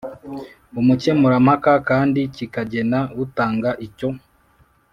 umukemurampaka kandi kikagena utanga icyo